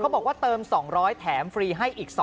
บอกว่าเติม๒๐๐แถมฟรีให้อีก๒